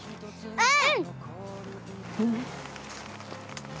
うん。